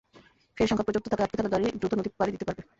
ফেরির সংখ্যা পর্যাপ্ত থাকায় আটকে থাকা গাড়ি দ্রুত নদী পাড়ি দিতে পারবে।